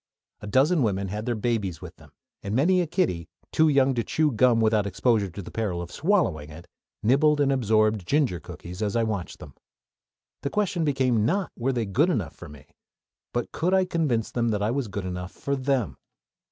A dozen women had their babies with them, and many a small kiddie, too young to chew gum without exposure to the peril of swallowing it, nibbled and absorbed ginger cookies as I watched them. The question became not were they good enough for me, but could I convince them that I was good enough for them.